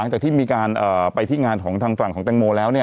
หลังจากที่มีการไปที่งานของทางฝั่งของแตงโมแล้ว